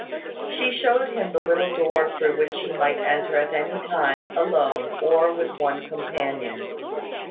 She showed him the little door through which he might enter at any time, alone, or with one companion.